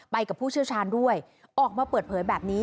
กับผู้เชี่ยวชาญด้วยออกมาเปิดเผยแบบนี้